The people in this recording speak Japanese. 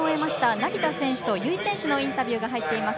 成田選手と由井選手のインタビューが入っています。